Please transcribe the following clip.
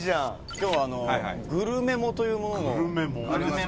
今日グルメモというものもありまして。